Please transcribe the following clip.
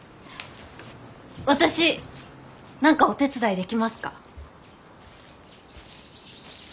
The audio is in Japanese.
私何かお手伝いできますか？